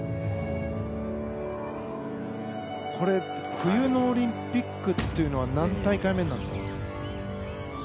これ冬のオリンピックというのは何大会目になるんですか？